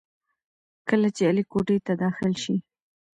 کله چې علي کوټې ته داخل شي،